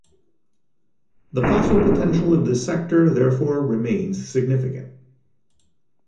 The fossil potential of this sector therefore remains significant.